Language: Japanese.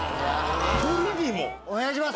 お願いします！